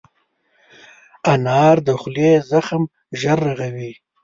انار د خولې زخم ژر رغوي.